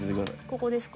ここですか？